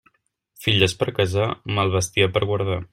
Filles per casar, mal bestiar per guardar.